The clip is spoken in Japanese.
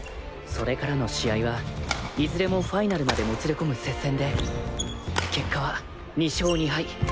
それからの試合はいずれもファイナルまでもつれ込む接戦で結果は２勝２敗